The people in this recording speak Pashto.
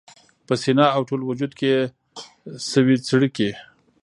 په سینه او ټول وجود کي یې سوې څړیکي